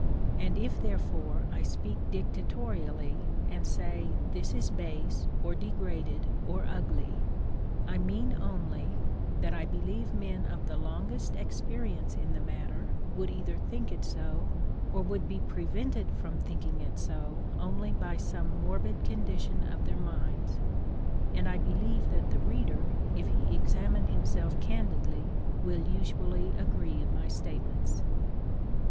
And if, therefore, I speak dictatorially, and say this is base, or degraded, or ugly, I mean, only that I believe men of the longest experience in the matter would either think it so, or would be prevented from thinking it so only by some morbid condition of their minds; and I believe that the reader, if he examine himself candidly, will usually agree in my statements.